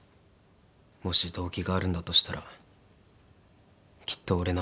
もし動機があるんだとしたらきっと俺なんだと思う。